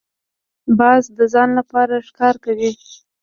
باز د ځان لپاره ښکار کوي